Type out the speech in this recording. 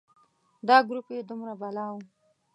دا ګروپ یې دومره بلا و.